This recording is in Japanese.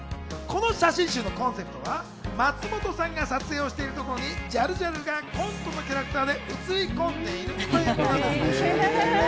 この写真集のコンセプトは松本さんが撮影をしてるところにジャルジャルがコントのキャラクターで写り込んでいるというものなんです。